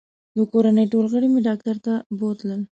د کورنۍ ټول غړي مې ډاکټر ته بوتلل